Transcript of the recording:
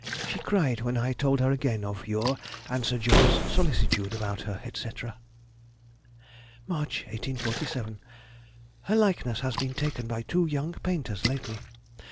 She cried when I told her again of your and Sir John's solicitude about her, &c. March, 1847. Her likeness has been taken by two young painters lately....